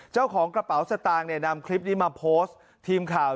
เจ้าของกระเป๋าสตางค์เนี่ยนำคลิปนี้มาโพสต์ทีมข่าว